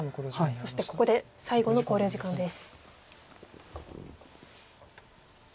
そしてここで最後の考慮時間です。